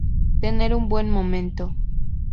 Tener un buen momento".